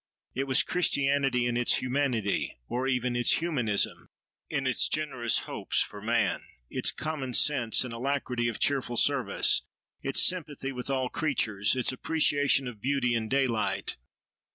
It was Christianity in its humanity, or even its humanism, in its generous hopes for man, its common sense and alacrity of cheerful service, its sympathy with all creatures, its appreciation of beauty and daylight.